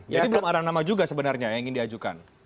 jadi belum ada nama juga sebenarnya yang ingin diajukan